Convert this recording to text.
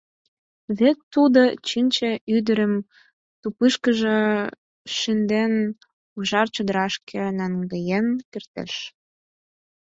Вет тудо Чинче ӱдырым тупышкыжо шынден, ужар чодырашке наҥгаен кертеш.